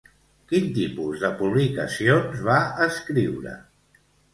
Quin tipus de publicacions va escriure?